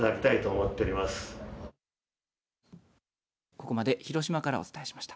ここまで広島からお伝えしました。